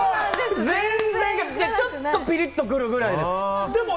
ちょっとピリッと来るぐらいです。